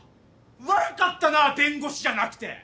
悪かったな弁護士じゃなくて！